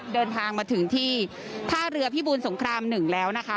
เดินทางมาถึงที่ผ้าเรือพี่บูนสงครามหนึ่งแล้วนะคะ